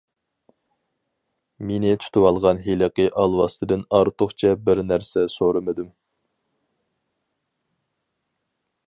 مېنى تۇتۇۋالغان ھېلىقى ئالۋاستىدىن ئارتۇقچە بىر نەرسە سورىمىدىم.